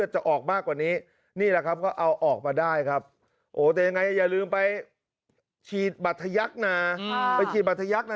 จะไม่มีเลือดตัวตัวเจ็บป่ะครับ